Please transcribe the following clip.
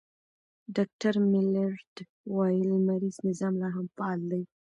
ډاکټر میلرډ وايي، لمریز نظام لا هم فعال دی.